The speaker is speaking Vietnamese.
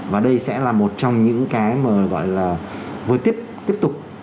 và đây sẽ là một trong những cái mà gọi là vừa tiếp tục